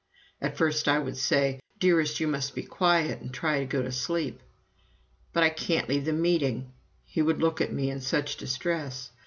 At first I would say: "Dearest, you must be quiet and try to go to sleep." "But I can't leave the meeting!" He would look at me in such distress.